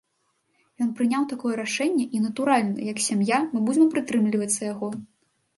Ён прыняў такое рашэнне, і натуральна, як сям'я, мы будзем прытрымлівацца яго.